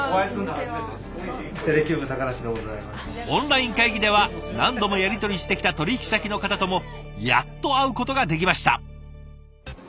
オンライン会議では何度もやり取りしてきた取引先の方ともやっと会うことができました。